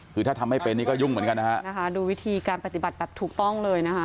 คือถ้าทำไม่เป็นนี่ก็ยุ่งเหมือนกันนะฮะดูวิธีการปฏิบัติแบบถูกต้องเลยนะคะ